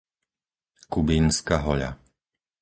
Kubínska Hoľa